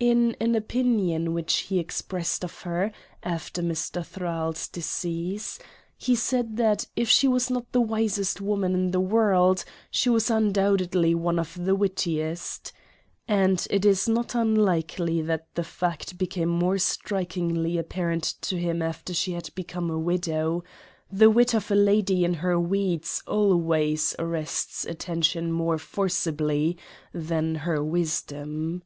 In an opinion which he expressed of her, after Mr. Thrale's decease, he said that, " if she was not the wisest woman in the world,, she was undoubtedly one of the wittiest ;" and it is not unlikely that the fact became more strikingly apparent to him after she had become a widow : the wit of a lady in her weeds always arrests at tention more forcibly than her wisdom.